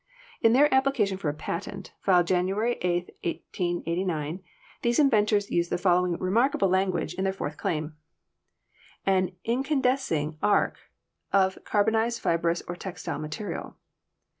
In their application for a patent, filed January 8, 1889, these inventors use the following remarkable language in their fourth claim: 'An incandescing arc of carbonized fibrous or textile material.'